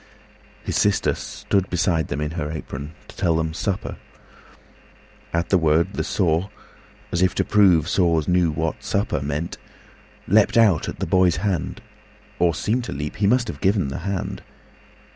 His sister stood beside them in her apronTo tell them "Supper." At the word, the saw, As if to prove saws knew what supper meant, Leaped out at the boy's hand, or seemed to leap—He must have given the hand.